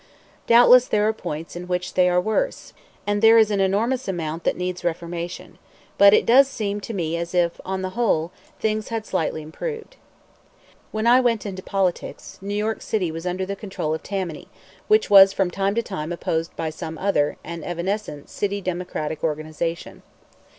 Doubtless there are points in which they are worse, and there is an enormous amount that needs reformation. But it does seem to me as if, on the whole, things had slightly improved. When I went into politics, New York City was under the control of Tammany, which was from time to time opposed by some other and evanescent city Democratic organization.